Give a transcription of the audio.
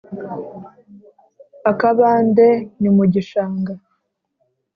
akabande ni mu gishanga